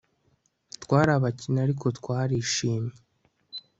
Twari abakene ariko twarishimye